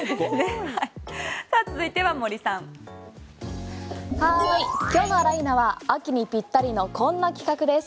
続いては、森さん。今日のあら、いーな！は秋にぴったりのこんな企画です。